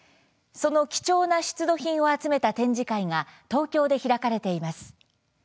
その貴重な出土品を集めた展示会が東京で開かれています。